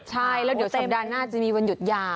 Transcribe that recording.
ใช่แล้วเดี๋ยวสัปดาห์หน้าจะมีวันหยุดยาว